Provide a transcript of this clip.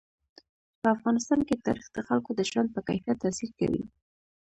په افغانستان کې تاریخ د خلکو د ژوند په کیفیت تاثیر کوي.